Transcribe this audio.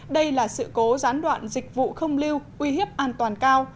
đây là sự cố gián đoạn dịch vụ không lưu uy hiếp an toàn cao